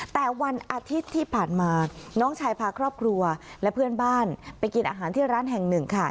แต่วันอาทิตย์ที่ผ่านมาน้องชายพาครอบครัวและเพื่อนบ้านไปกินอาหารที่ร้านแห่งหนึ่งค่ะ